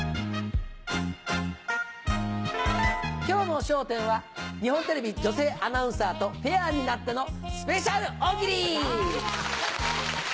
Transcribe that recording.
今日の『笑点』は日本テレビ女性アナウンサーとペアになっての「スペシャル大喜利」！